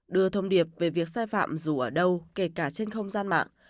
đưa thông điệp về việc sai phạm dù ở đâu kể cả trên không gian mạng